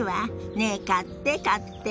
ねえ買って買って！